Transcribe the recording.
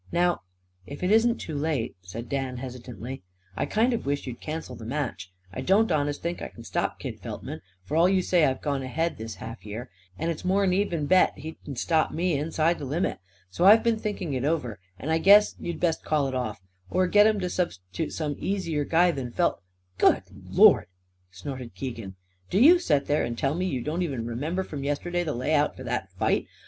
Now " "If it isn't too late," said Dan hesitantly, "I kind of wish you'd cancel the match. I don't honest think I c'n stop Kid Feltman; for all you say I've gone ahead this half year. And it's more'n an even bet he c'n stop me inside the limit. So I've been thinking it over, and I guess you'd best call it off; or get 'em to subst'toot some easier guy than Felt " "Good Lord!" snorted Keegan. "Do you set there and tell me you don't even remember from yesterday the layout for that fight?